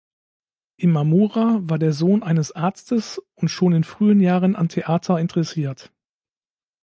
Imamura war der Sohn eines Arztes und schon in frühen Jahren an Theater interessiert.